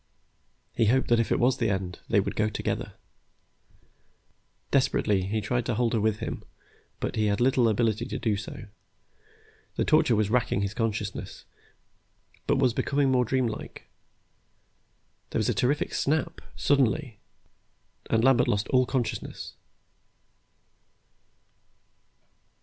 He hoped that if it was the end, they would go together. Desperately, he tried to hold her with him, but he had little ability to do so. The torture was still racking his consciousness, but was becoming more dreamlike. There was a terrific snap, suddenly, and Lambert lost all consciousness....